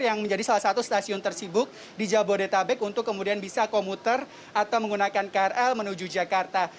yang menjadi salah satu stasiun tersibuk di jabodetabek untuk kemudian bisa komuter atau menggunakan krl menuju jakarta